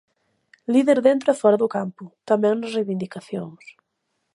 Líder dentro e fóra do campo, tamén nas reivindicacións.